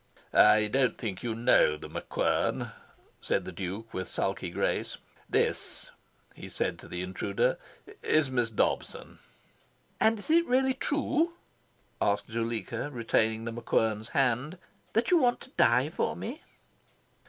"I don't think you know The MacQuern," said the Duke, with sulky grace. "This," he said to the intruder, "is Miss Dobson." "And is it really true," asked Zuleika, retaining The MacQuern's hand, "that you want to die for me?"